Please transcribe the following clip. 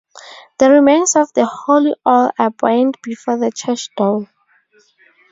The remains of the holy oil are burnt before the church door.